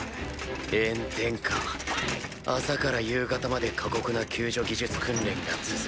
炎天下朝から夕方まで過酷な救助技術訓練が続く